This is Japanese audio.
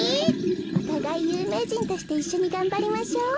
おたがいゆうめいじんとしていっしょにがんばりましょう。